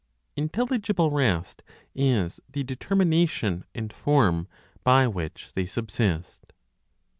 INTELLIGIBLE REST IS THE DETERMINATION AND FORM BY WHICH THEY SUBSIST.